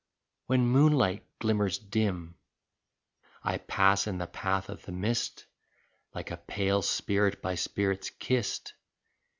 When moonlight glimmers dim I pass in the path of the mist, Like a pale spirit by spirits kissed.